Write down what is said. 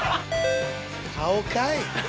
「顔かい！」。